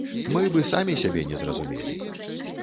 Мы б і самі сябе не зразумелі.